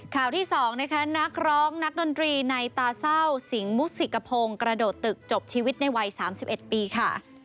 ข่าวที่๒นะคะนักร้องนักดนตรีในตาเศร้าสิงหมุสิกพงศ์กระโดดตึกจบชีวิตในวัย๓๑ปีค่ะ